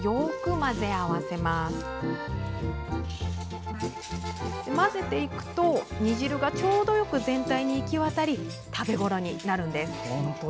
混ぜていくと煮汁がちょうどよく全体に行き渡り、食べごろに。